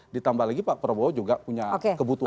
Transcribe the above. ditambah lagi pak prabowo juga punya kebutuhan